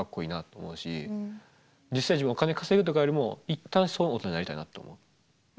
実際自分お金を稼ぐとかよりも一旦そういう大人になりたいなって思う。